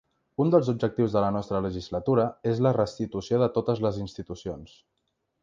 Un dels objectius de la nostra legislatura és la restitució de totes les institucions.